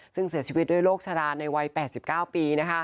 ซึ่งเสียชีวิตด้วยโรคชะลาในวัย๘๙ปี